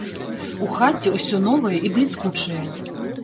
У хаце ўсё новае і бліскучае.